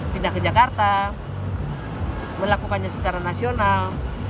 pindah ke jakarta melakukannya secara nasional